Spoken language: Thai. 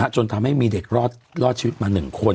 จนทำให้มีเด็กรอดชีวิตมา๑คน